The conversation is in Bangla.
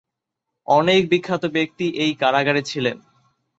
অনেক বিখ্যাত ব্যক্তি এই কারাগারে ছিলেন।